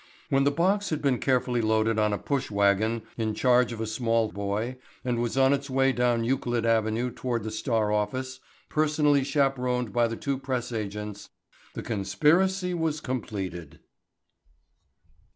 When the box had been carefully loaded on a push wagon in charge of a small colored boy and was on its way down Euclid Avenue toward the Star office, personally chaperoned by the two press agents, the conspiracy was completed.